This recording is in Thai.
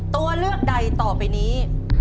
ตัวเลือกใดต่อไปนี้